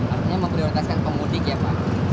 artinya memprioritaskan pemudik ya pak